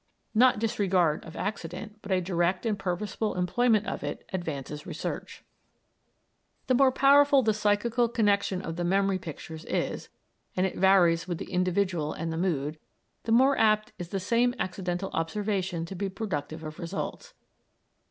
Not disregard of accident but a direct and purposeful employment of it advances research. The more powerful the psychical connexion of the memory pictures is, and it varies with the individual and the mood, the more apt is the same accidental observation to be productive of results.